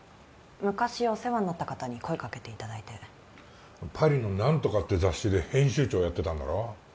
昔お世話になった方に声かけていただいてパリの何とかっていう雑誌で編集長やってたんだろ？